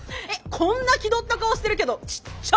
こんな気取った顔してるけどちっちゃ！